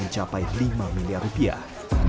mencapai lima miliar rupiah